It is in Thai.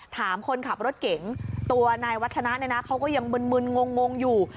ถามคนขับรถเก่งตัวนายวัฒนะนะเขาก็ยังมึนมึนงงงอยู่